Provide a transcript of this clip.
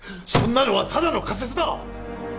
そんなのはただの仮説だ！